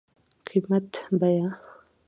قيمت √ بيه